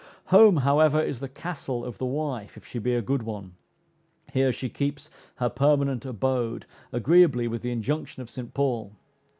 Home, however, is the castle of the wife, if she be a good one; here she keeps her permanent abode, agreeably with the injunction of St. Paul.